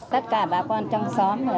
tất cả bà con trong xóm